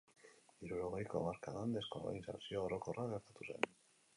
Hirurogeiko hamarkadan deskolonizazio orokorra gertatu zen.